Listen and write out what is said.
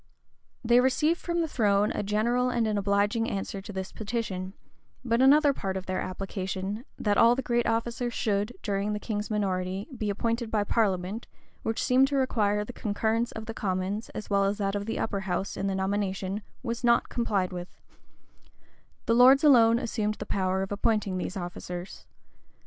They received from the throne a general and an obliging answer to this petition: but another part of their application, that all the great officers should, during the king's minority, be appointed by parliament, which seemed to require the concurrence of the commons, as well as that of the upper house, in the nomination, was not complied with: the lords alone assumed the power of appointing these officers.